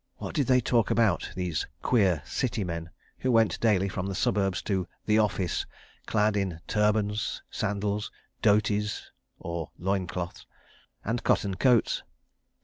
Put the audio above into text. ... What did they talk about, these queer "city men" who went daily from the suburbs to "the office," clad in turbans, sandals, dhoties, {17b} and cotton coats?